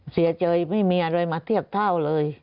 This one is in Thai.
เสียใจไม่มีอะไรมาเทียบเท่าเลย